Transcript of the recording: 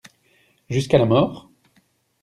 Jusqu'à la mort?